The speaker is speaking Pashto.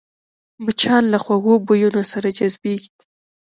مچان له خوږو بویونو سره جذبېږي